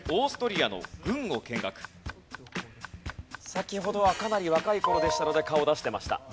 先ほどはかなり若い頃でしたので顔を出してました。